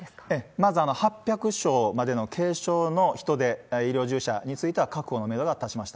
まず８００床までの軽症の人で医療従事者については確保のメドが立ちました。